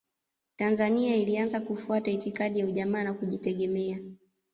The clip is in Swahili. Tanzania ilianza kufuata itikadi ya ujamaa na kujitegemea